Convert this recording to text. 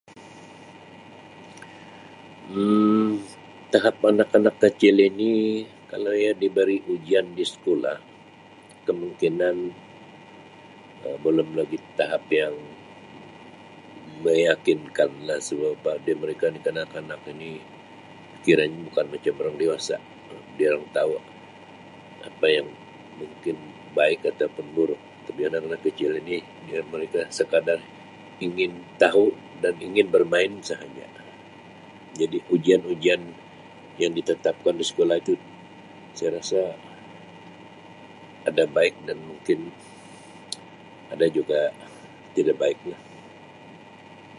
Um Tahap anak-anak kecil ini kalau ia diberi ujian di sekolah kemungkinan Um belum lagi tahap yang meyakinkan lah sebab apa mereka kanak-kanak ini pikirannya bukan macam orang dewasa, tu durang tau apa yang mungkin baik ataupun buruk tapi anak-anak kecil ini biar mereka sekadar ingin tahu dan ingin bermain sahaja. Jadi ujian-ujian yang ditetapkan di sekolah itu saya rasa ada baik dan mungkin ada juga tidak baiklah.